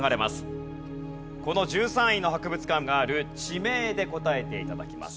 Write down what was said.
この１３位の博物館がある地名で答えて頂きます。